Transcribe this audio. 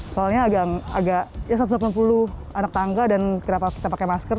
soalnya agak ya satu ratus delapan puluh anak tangga dan kenapa kita pakai masker